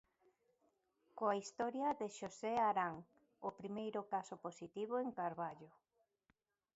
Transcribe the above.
Coa historia de Xosé Arán, o primeiro caso positivo en Carballo.